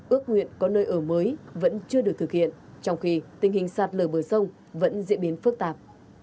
ước nguyện có nơi ở mới vẫn chưa được thực hiện trong khi tình hình sạt lở bờ sông vẫn diễn biến phức tạp